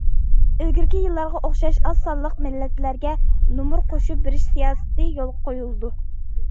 ئىلگىرىكى يىللارغا ئوخشاش ئاز سانلىق مىللەتلەرگە نومۇر قوشۇپ بېرىش سىياسىتى يولغا قويۇلىدۇ.